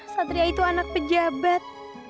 satria itu anak pejabat